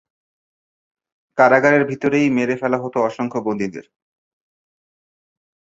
কারাগারের ভিতরেই মেরে ফেলা হত অসংখ্য বন্দীদের।